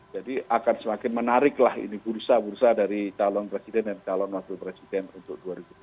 jadi akan semakin menariklah ini bursa bursa dari calon presiden dan calon waktu presiden untuk dua ribu dua puluh empat